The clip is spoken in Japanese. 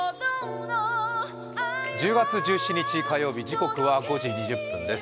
１０月１７日火曜日、時刻は５時２０分です。